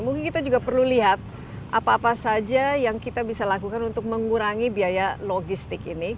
mungkin kita juga perlu lihat apa apa saja yang kita bisa lakukan untuk mengurangi biaya logistik ini